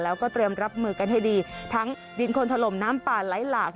แล้วก็เตรียมรับมือกันให้ดีทั้งดินคนถล่มน้ำป่าไหลหลาก